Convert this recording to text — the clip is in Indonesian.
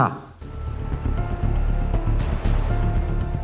dan mengucapkan terima kasih